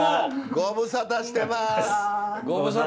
ご無沙汰してます！